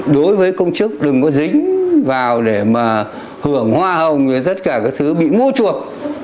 đối với công chức đừng có dính vào để mà hưởng hoa hồng tất cả các thứ bị ngũ chuộc